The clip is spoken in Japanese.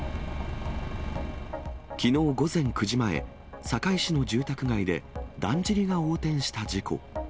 きのう午前９時前、堺市の住宅街でだんじりが横転した事故。